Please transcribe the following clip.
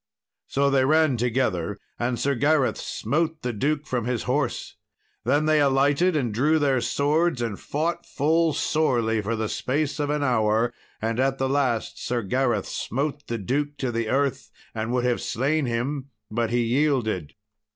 So they ran together, and Sir Gareth smote the duke from his horse. Then they alighted and drew their swords, and fought full sorely for the space of an hour; and at the last Sir Gareth smote the duke to the earth and would have slain him, but he yielded.